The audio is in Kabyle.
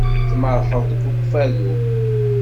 Tmerrḥeḍ deg Ukfadu?